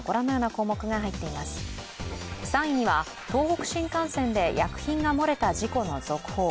３位には東北新幹線で薬品が漏れた事故の続報。